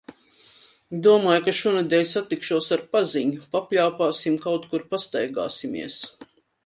Domāju, ka šonedēļ satikšos ar paziņu. Papļāpāsim, kaut kur pastaigāsimies.